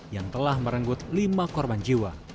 yang telah merenggut lima korban jiwa